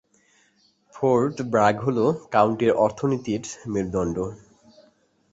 Fort Bragg হলো কাউন্টির অর্থনীতির মেরুদণ্ড।